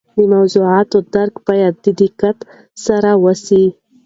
د موضوعات درک باید د دقت سره وسي.